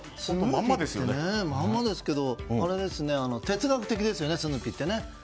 まんまですけど哲学的ですよねスヌーピーってね。